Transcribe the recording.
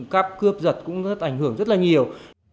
cáp cướp giật cũng rất ảnh hưởng rất là nhiều